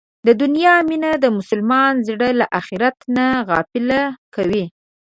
د دنیا مینه د مسلمان زړه له اخرت نه غافله کوي.